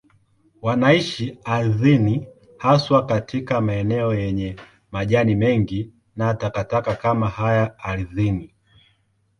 Wanaishi ardhini, haswa katika maeneo yenye majani mengi na takataka kama haya ardhini.